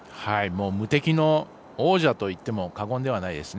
無敵の王者といっても過言ではないですね。